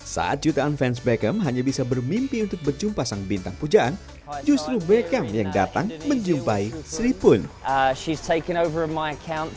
saat jutaan fans beckham hanya bisa bermimpi untuk berjumpa sang bintang pujaan justru beckham yang datang menjumpai sri pun